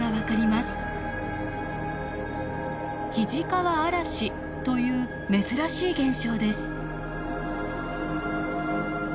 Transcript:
肱川あらしという珍しい現象です。